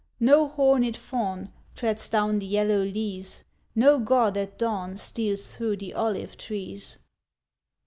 No horned Faun Treads down the yellow leas, No God at dawn Steals through the olive trees.